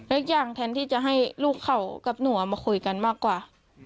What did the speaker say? เล็กอย่างแทนที่จะให้ลูกเขากับหนูมาคุยกันมากกว่า